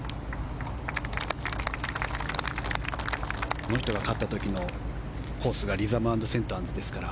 この人が勝った時のコースがリザム＆セントアンズですから。